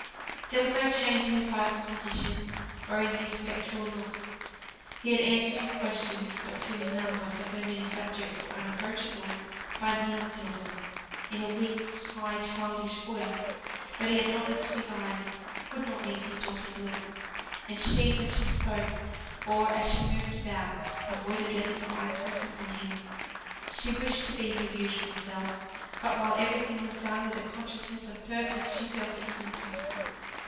There was no change in her father's position, or in his spectral look. He had answered her questions (but few in number, for so many subjects were unapproachable) by monosyllables, and in a weak, high, childish voice; but he had not lifted his eyes; he could not meet his daughter's look. And she, when she spoke, or as she moved about, avoided letting her eyes rest upon him. She wished to be her usual self; but while every thing was done with a consciousness of purpose, she felt it was impossible.